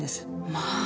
まあ。